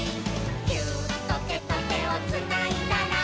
「ギューッとてとてをつないだら」